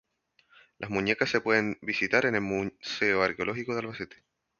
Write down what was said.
Las muñecas se pueden visitar en el Museo Arqueológico de Albacete.